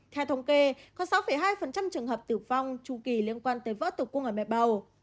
theo thống kê có sáu hai trường hợp tử vong tru kỳ liên quan tới vỡ tục cung ở mẹ bầu